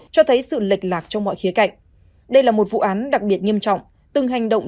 cho thấy sự lệch lạc trong mọi khía cạnh đây là một vụ án đặc biệt nghiêm trọng từng hành động